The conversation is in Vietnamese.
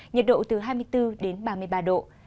nhiệt độ từ hai mươi bốn đến ba mươi ba độ